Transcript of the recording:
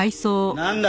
なんだ？